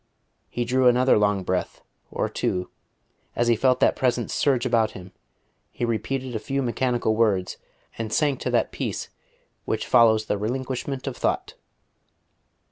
He drew another long breath, or two, as he felt that Presence surge about him; he repeated a few mechanical words, and sank to that peace which follows the relinquishment of thought.